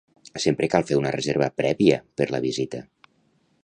Sempre cal fer una reserva prèvia per la visita.